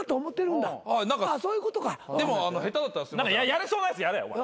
やれそうなやつやれお前。